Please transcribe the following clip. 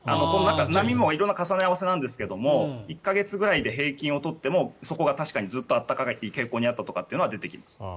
波も色んな重ね合わせなんですが１か月ぐらいで平均を取ってもそこが確かにずっと暖かい傾向だったとは出てきます。